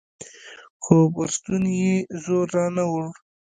خو پر ستوني يې زور راونه کړ.